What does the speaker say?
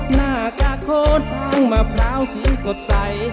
หน้ากากโค้ดทั้งมะพร้าวสีสดใส